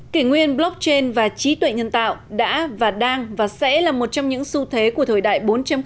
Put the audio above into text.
kỷ nguyên blockchain và trí tuệ nhân tạo đã và đang và sẽ là một trong những xu thế của thời đại bốn